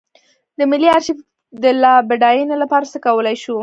د ملي ارشیف د لا بډاینې لپاره څه کولی شو.